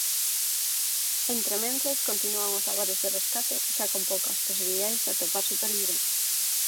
Entrementres, continúan os labores de rescate, xa con poucas posibilidade de atopar superviventes.